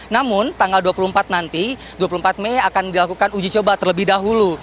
namun tanggal dua puluh empat nanti dua puluh empat mei akan dilakukan uji coba terlebih dahulu